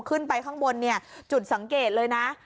ขึ้นไปข้างบนเนี่ยจุดสังเกตเลยนะ